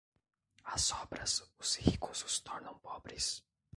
As obras, os ricos os tornam pobres.